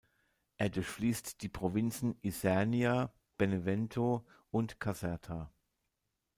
Er durchfließt die Provinzen Isernia, Benevento und Caserta.